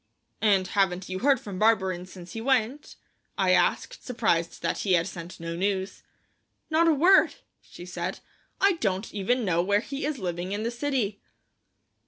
"And haven't you heard from Barberin since he went?" I asked, surprised that he had sent no news. "Not a word," she said. "I don't even know where he is living in the city."